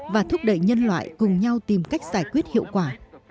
và thúc đẩy nhân loại cùng nhau tìm cách giải quyết hiệu quả